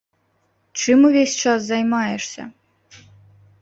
Чым увесь час займаешся?